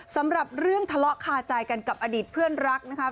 สำหรับเรื่องทะเลาะคาใจกันกับอดีตเพื่อนรักนะคะ